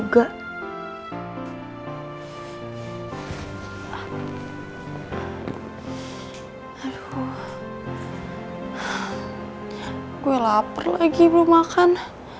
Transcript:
gue lapar lagi belum makan